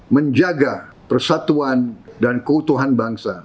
menjaga persatuan dan keutuhan bangsa